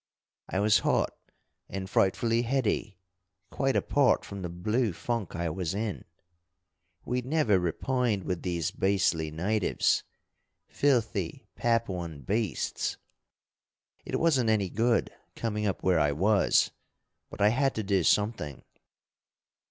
I was hot and frightfully heady quite apart from the blue funk I was in. We'd never repined with these beastly natives, filthy Papuan beasts. It wasn't any good, coming up where I was, but I had to do something.